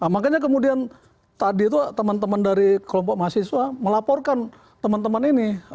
makanya kemudian tadi itu teman teman dari kelompok mahasiswa melaporkan teman teman ini